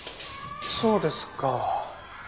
そうですか。